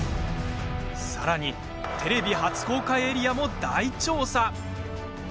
さらにテレビ初公開エリアも大調査！